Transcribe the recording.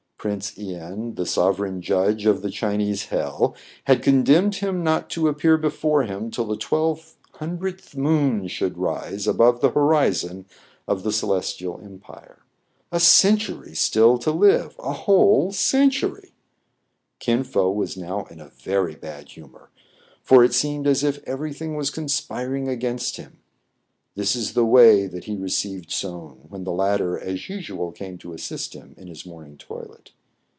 Prince len, the sov ereign judge of the Chinese hell, had condemned him not to appear before him till the twelve hun dredth moon should rise above the horizon of the Celestial empire. A century still to live, — 'a whole century ! Kin Fo was now in a very bad humor, for it seemed as if every thing was conspiring against him. This is the way that he received Soun, when the latter as usual came to assist him in his morning toilet.